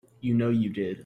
You know you did.